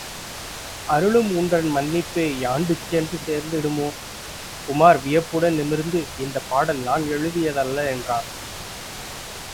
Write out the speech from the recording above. அருளும் உன்றன் மன்னிப்பே யாண்டுச் சென்று சேர்ந்திடுமோ? உமார் வியப்புடன் நிமிர்ந்து, இந்தப் பாடல் நான் எழுதியதல்ல என்றான்.